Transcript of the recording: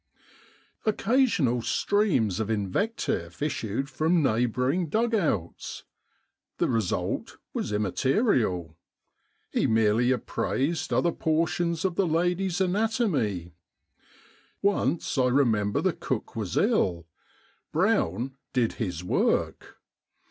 Occasional streams of invective issued from neighbour ing dug outs. The result was immaterial; 137 138 EBENEEZER THE GOAT he merely appraised other portions of the lady's anatomy. Once I remember the cook was ill ; Brown did his work.